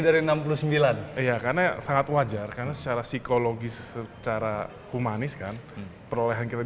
dari enam puluh sembilan iya karena sangat wajar karena secara psikologis secara humanis kan perolehan kita